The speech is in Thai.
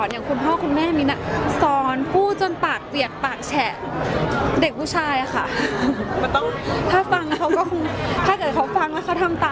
มันแก้ปัญหาด้วยตัวเค้าเอง